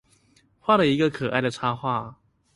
畫了一個可愛的插圖